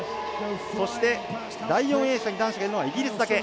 そして第４泳者に男子がいるのはイギリスだけ。